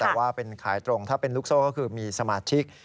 แต่ว่าเป็นขายตรงถ้าเป็นลูกโซ่ก็คือมีสมาชิก